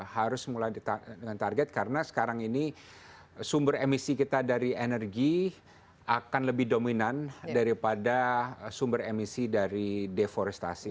harus mulai dengan target karena sekarang ini sumber emisi kita dari energi akan lebih dominan daripada sumber emisi dari deforestasi